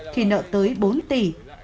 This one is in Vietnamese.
thì nợ tới bốn tỷ ba trăm bảy mươi năm